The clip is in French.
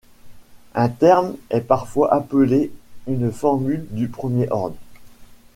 Un terme est parfois appelé une formule du premier ordre.